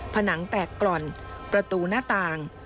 ผนังแตกกล่อนประตูหน้าต่าง